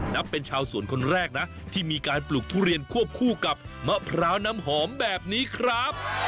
นับเป็นชาวสวนคนแรกนะที่มีการปลูกทุเรียนควบคู่กับมะพร้าวน้ำหอมแบบนี้ครับ